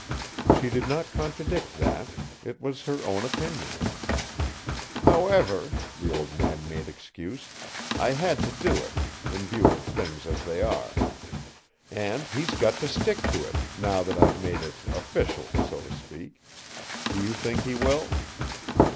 She did not contradict that; it was her own opinion. "However," the old man made excuse, "I had to do it in view of things as they are. And he's got to stick to it, now that I've made it 'official,' so to speak. Do you think he will?"